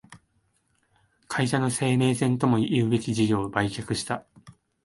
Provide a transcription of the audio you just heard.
会社の生命線ともいうべき事業を売却した